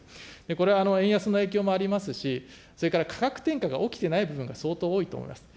これは円安の影響もありますし、それから価格転嫁が起きてない部分が相当多いと思います。